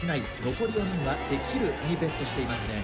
残り４人は「できる」にベットしていますね。